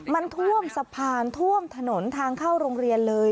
มันท่วมสะพานท่วมถนนทางเข้าโรงเรียนเลย